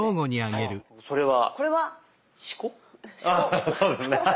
そうですね。